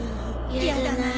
やだなあ。